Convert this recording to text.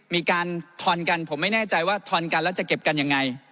มีการทอนกันผมไม่แน่ใจว่าทอนกันแล้วจะเก็บกันยังไง